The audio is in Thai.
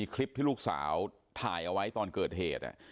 คลิปที่ลูกสาวถ่ายเอาไว้ตอนเกิดเหตุ